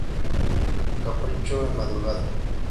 Capricho En Madrugada